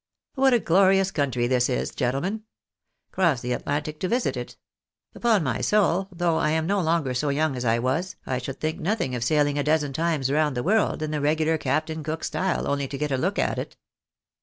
" What a glorious country this is, gentlemen ! Cross the Atlantic to visit it ! Upon my soul, though I am no longer so young as I was, I should think nothing of sailing a dozen times round the world in the regular Captain Cook style only to get a look at it."